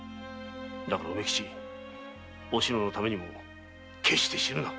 だから梅吉おしののためにも決して死ぬな。